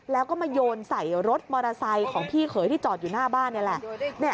แล้วก็มาโยนใส่รถมอเตอร์ไซค์ของพี่เขยที่จอดอยู่หน้าบ้านนี่แหละ